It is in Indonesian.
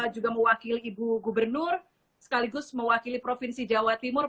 juga mewakili ibu gubernur sekaligus mewakili provinsi jawa timur